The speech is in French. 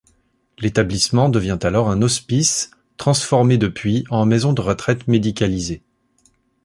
L'établissement devient alors un hospice, transformé depuis en maison de retraite médicalisée.